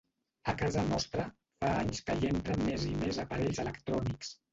A casa nostra, fa anys que hi entren més i més aparells electrònics.